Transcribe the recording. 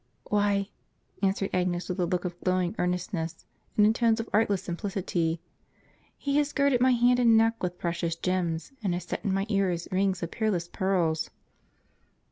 "" Why," answered Agnes, with a look of glowing earnest ness, and in tones of artless simplicity, "he has girded my hand and neck with precious gems, and has set in my ears rings of peerless pearls."!